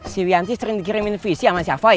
si wianti sering dikirimin puisi sama si apoi